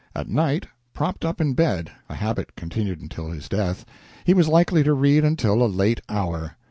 At night, propped up in bed a habit continued until his death he was likely to read until a late hour.